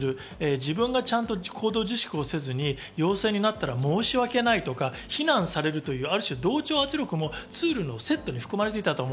自分がちゃんと行動自粛をせずに、要請になったら申し訳ないとか、非難されるという、ある種、同調圧力のツールのセットで含まれていた。